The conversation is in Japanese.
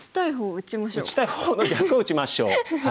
「打ちたい方の逆を打ちましょう」。